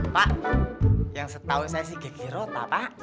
pak yang setauin saya sih geger otak pak